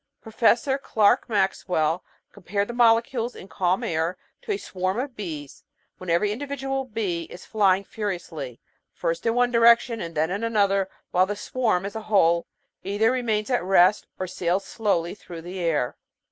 Professor Clerk Maxwell com pared the molecules in calm air to a swarm of bees, when every individual bee is flying furiously, first in one direction and then in another, while the swarm, as a whole, either remains at rest, or sails slowly through the air.